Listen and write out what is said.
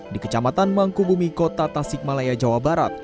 di kecamatan mangkubumi kota tasikmalaya jawa barat